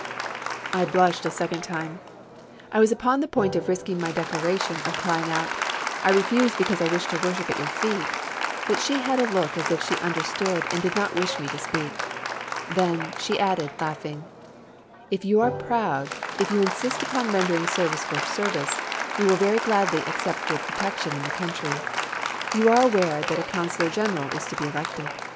I blushed a second time. I was upon the point of risking my declaration, of crying out :" I refuse be cause I wish to worship at your feet !" But she had a look as if she understood and did not wish me to speak. Then, she added, laughing : "If you are proud, if you insist upon rendering service for service, we will very gladly accept your protection in the country. You are aware that a Coun sellor General is to be elected.